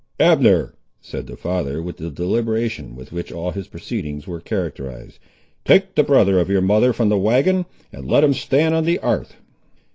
"Abner," said the father, with the deliberation with which all his proceedings were characterised, "take the brother of your mother from the wagon, and let him stand on the 'arth."